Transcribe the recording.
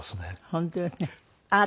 本当よね。